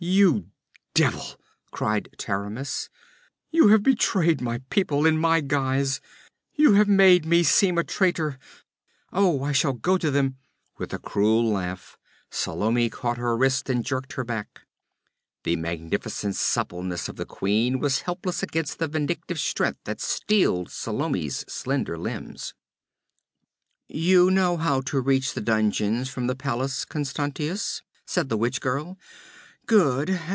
'You devil!' cried Taramis. 'You have betrayed my people, in my guise! You have made me seem a traitor! Oh, I shall go to them ' With a cruel laugh Salome caught her wrist and jerked her back. The magnificent suppleness of the queen was helpless against the vindictive strength that steeled Salome's slender limbs. 'You know how to reach the dungeons from the palace, Constantius?' said the witch girl. 'Good.